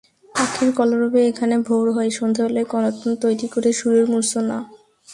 পাখির কলরবে এখানে ভোর হয়, সন্ধ্যাবেলার কলতান তৈরি করে সুরের মূর্ছনা।